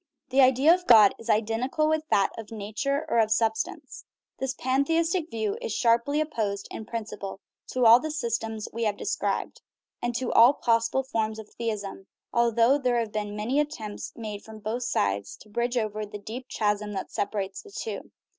The idea of God is identical with that of nature or sub stance. This pantheistic view is sharply opposed in principle to all the systems we have described, and to all possible forms of theism although there have been many attempts made from both sides to bridge over the deep chasm that separates the two.